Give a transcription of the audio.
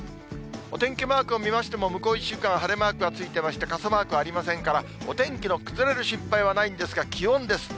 お天気マークを見ましても、向こう１週間は晴れマークがついていまして、傘マークはありませんから、お天気の崩れる心配はないんですが、気温です。